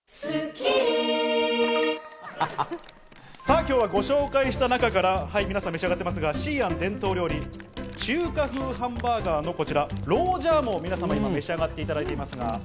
今日はご紹介した中からみなさん召し上がっていますが、西安伝統料理、中華風ハンバーガーのロージャーモーを皆様に召し上がっていただいていますが。